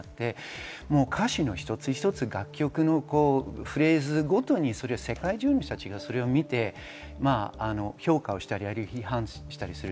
歌詞の一つ一つ、楽曲のフレーズごとに世界中の人たちが見て、評価したり批判したりします。